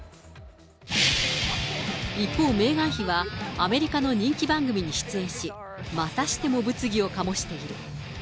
一方、メーガン妃は、アメリカの人気番組に出演し、またしても物議を醸している。